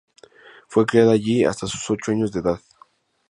Fue criada allí hasta sus ocho años de edad.